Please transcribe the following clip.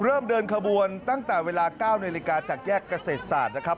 เริ่มเดินขบวนตั้งแต่เวลา๙นาฬิกาจากแยกเกษตรศาสตร์นะครับ